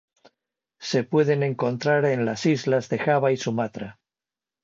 Se pueden encontrar en las islas de Java y Sumatra.